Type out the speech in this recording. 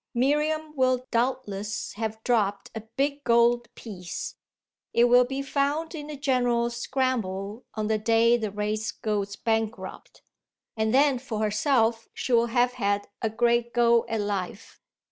Miriam will doubtless have dropped a big gold piece. It will be found in the general scramble on the day the race goes bankrupt. And then for herself she'll have had a great go at life."